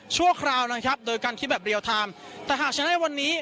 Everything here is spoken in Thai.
ชั่วคราวนะครับโดยการคิดแบบเรียลไทม์แต่หากชนะในวันนี้